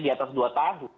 di atas dua tahun